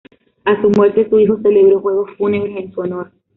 A su muerte, su hijo celebró juegos fúnebres en su honor.